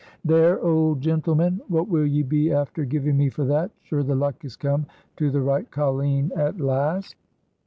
"There, ould gintleman, what will ye be after giving me for that? Sure the luck is come to the right colleen at last."